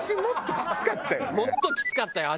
昔もっときつかったよね？